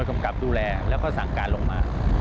กำกับดูแลแล้วก็สั่งการลงมา